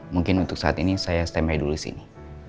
mungkin untuk saat ini saya stay may dulu di sini